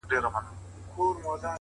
o ما پر اوو دنياوو وسپارئ؛ خبر نه وم خو؛